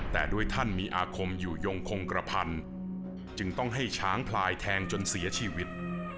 แต่ด้วยท่านมีอาคมอยู่ยงคงกระพันจึงต้องให้ช้างพลายแทงจนเสียชีวิต